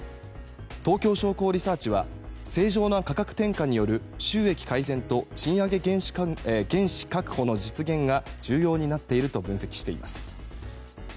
東京商工リサーチは正常な価格転嫁による収益改善と賃上げ原資確保の実現が重要になっていると分析しています。